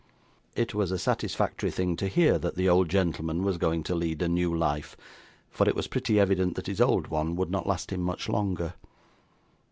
It was a satisfactory thing to hear that the old gentleman was going to lead a new life, for it was pretty evident that his old one would not last him much longer.